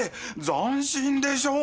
斬新でしょ。